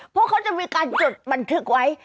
เพราะเขาจะมีการจดบันทึกไว้